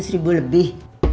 dua ratus ribu lebih